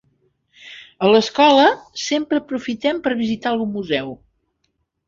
A l'escola sempre aprofitem per visitar algun museu.